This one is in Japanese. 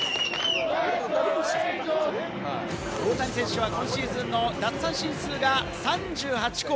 大谷選手は今シーズンの奪三振数が３８個。